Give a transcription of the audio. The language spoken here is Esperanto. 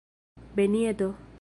benjeto